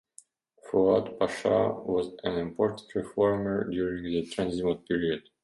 Fuad Pasha was an important reformer during the Tanzimat period.